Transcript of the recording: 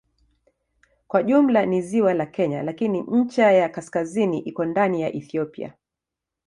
Kwa jumla ni ziwa la Kenya lakini ncha ya kaskazini iko ndani ya Ethiopia.